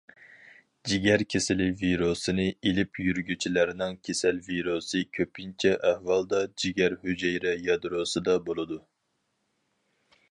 جىگەر كېسىلى ۋىرۇسىنى ئېلىپ يۈرگۈچىلەرنىڭ كېسەل ۋىرۇسى كۆپىنچە ئەھۋالدا جىگەر ھۈجەيرە يادروسىدا بولىدۇ.